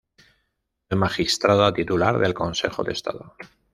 Fue magistrada titular del Consejo de Estado.